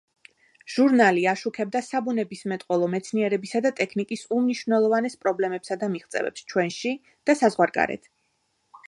ჟურნალი აშუქებდა საბუნებისმეტყველო მეცნიერებისა და ტექნიკის უმნიშვნელოვანეს პრობლემებსა და მიღწევებს ჩვენში და საზღვარგარეთ.